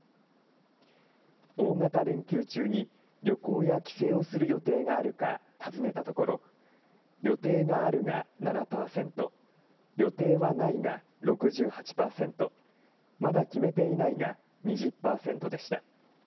大型連休中に、旅行や帰省をする予定があるか尋ねたところ、予定があるが７％、予定はないが６８％、まだ決めていないが２０％でした。